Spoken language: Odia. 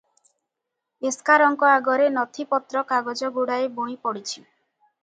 ପେସ୍କାରଙ୍କ ଆଗରେ ନଥିପତ୍ର କାଗଜଗୁଡ଼ାଏ ବୁଣି ପଡିଛି ।